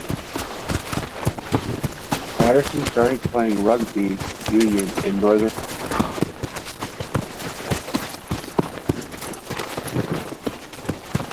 Paterson started playing rugby union in Northern Ireland.